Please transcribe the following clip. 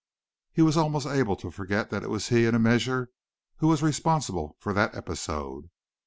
He was almost able to forget that it was he in a measure who was responsible for that episode.